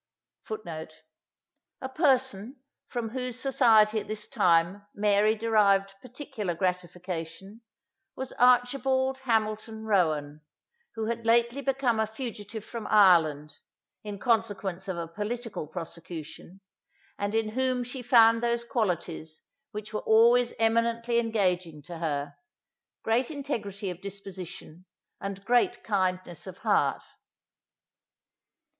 [A]" [A] A person, from whose society at this time Mary derived particular gratification, was Archibald Hamilton Rowan, who had lately become a fugitive from Ireland, in consequence of a political prosecution, and in whom she found those qualities which were always eminently engaging to her, great integrity of disposition, and great kindness of heart.